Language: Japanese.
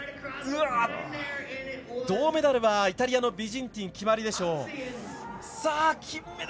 銅メダルはイタリアのビジンティンで決まりでしょう。